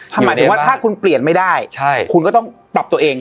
หมายถึงว่าถ้าคุณเปลี่ยนไม่ได้คุณก็ต้องปรับตัวเอง